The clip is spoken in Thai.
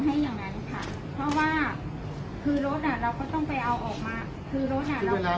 ให้อย่างนั้นค่ะเพราะว่าคือล้นล่ะเราก็ต้องไปเอาออกมาคือล้น่ะเมื่ินแล้ว